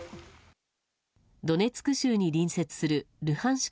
ドネツク州に隣接するルハンシク